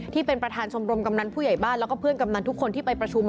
ที่เป็นประธานชมรมกำนันผู้ใหญ่บ้านแล้วก็เพื่อนกำนันทุกคนที่ไปประชุม